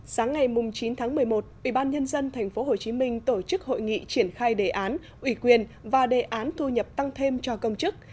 sáng ngày chín tháng một mươi một ubnd tp hcm tổ chức hội nghị triển khai đề án ủy quyền và đề án thu nhập tăng thêm cho công chức